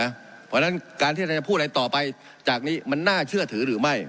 เพราะฉะนั้นการที่เราจะพูดอะไรต่อไปจากนี้มันน่าเชื่อถือหรือไม่